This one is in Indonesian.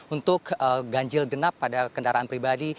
untuk ganjil genap pada kendaraan pribadi